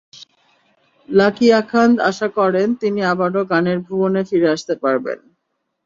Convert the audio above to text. Lucky Akhand আশা করেন তিনি আবারও গানের ভুবনে ফিরে আসতে পারবেন।